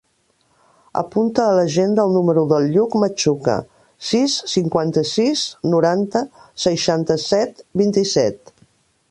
Apunta a l'agenda el número del Lluc Machuca: sis, cinquanta-sis, noranta, seixanta-set, vint-i-set.